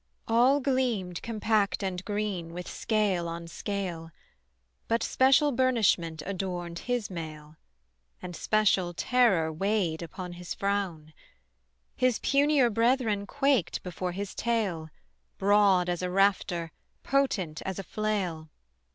All gleamed compact and green with scale on scale, But special burnishment adorned his mail, And special terror weighed upon his frown; His punier brethren quaked before his tail, Broad as a rafter, potent as a flail.